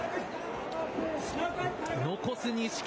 残す錦木。